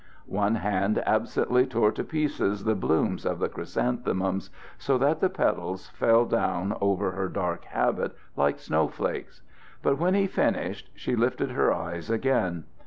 One hand absently tore to pieces the blooms of the chrysanthemums, so that the petals fell down over her dark habit like snowflakes. But when he finished, she lifted her eyes again.